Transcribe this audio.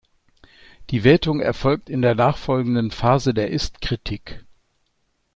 Die Wertung erfolgt in der nachfolgenden Phase der Ist-Kritik.